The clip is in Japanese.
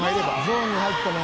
「ゾーンに入ったね」